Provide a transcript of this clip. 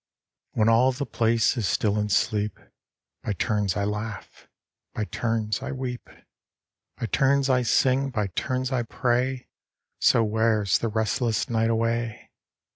v. When all the place is still in sleep, By turns I laugh ; by turns I weep ; By turns I sing ; by turns I pray ; So wears the restless night away.